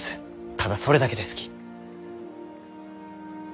ただそれだけですき。